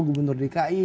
gubernur dari ki